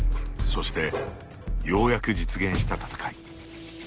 そして、ようやく実現した闘い。